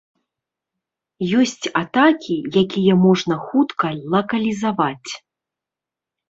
Ёсць атакі, якія можна хутка лакалізаваць.